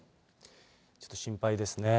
ちょっと心配ですね。